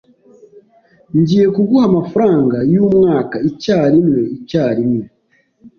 Ngiye kuguha amafaranga yumwaka icyarimwe icyarimwe.